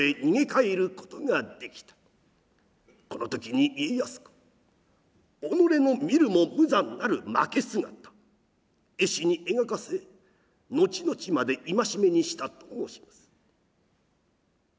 この時に家康公己の見るも無惨なる負け姿絵師に描かせ後々まで戒めにしたと申します。